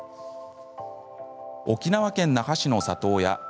沖縄県那覇市の里親